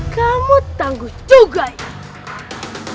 kamu tangguh juga ya